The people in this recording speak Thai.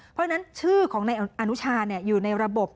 เพราะฉะนั้นชื่อของนายอนุชาอยู่ในระบบ